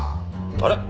あれ？